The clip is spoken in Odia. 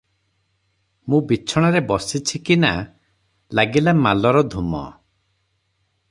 ମୁଁ ବିଛଣାରେ ବସିଛି କି ନା, ଲାଗିଲା ମାଲର ଧୂମ ।